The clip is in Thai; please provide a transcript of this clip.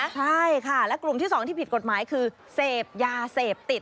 ใช่ค่ะและกลุ่มที่๒ที่ผิดกฎหมายคือเสพยาเสพติด